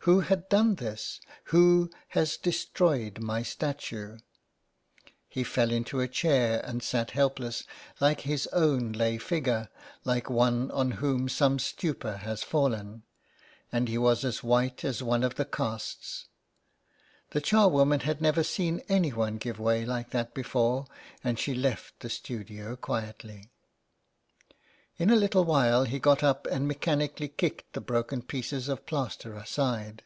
Who had done this ? Who has destroyed my statue ?" He fell into a chair, and sat helpless, like his own lay figure, like one on whom some stupor had fallen, and he was as white as one of the casts ; the charwoman had never seen anyone give way like that before, and she left the studio quietly. IN THE GLAY. In a little while he got up and mechanically kicked the broken pieces of plaster aside.